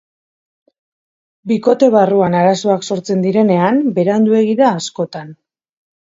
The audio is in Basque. Bikote barruan arazoak sortzen direnean, beranduegi da askotan.